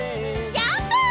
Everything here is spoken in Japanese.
ジャンプ！